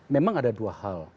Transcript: memang ada dua hal